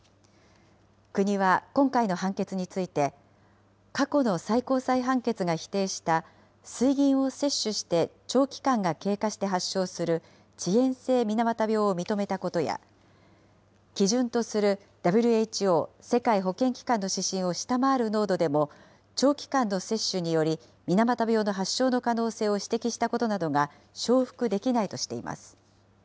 国は今回の判決について、過去の最高裁判決が否定した、水銀を摂取して長期間が経過して発症する遅延性水俣病を認めたことや、基準とするＷＨＯ・世界保健機関の指針を下回る濃度でも長期間の摂取により、水俣病の発症の可能性を指摘したことなどが承服できないとしています。